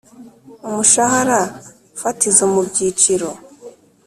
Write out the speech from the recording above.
Umushahara fatizo mu byiciro